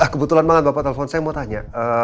kebetulan banget bapak telpon saya mau tanya